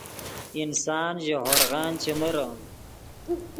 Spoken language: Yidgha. انسان ژے ہورغن چے مرے